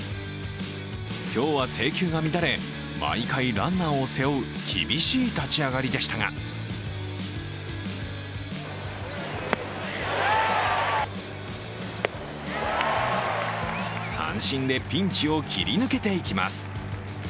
今日は制球が乱れ毎回ランナーを背負う厳しい立ち上がりでしたが三振でピンチを切り抜けていきます。